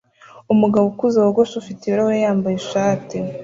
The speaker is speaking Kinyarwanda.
Umugabo ukuze wogosha ufite ibirahuri yambaye ishati